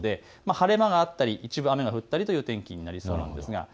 晴れ間があったり一部雨が降ったりという天気になりそうです。